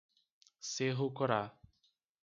Cerro Corá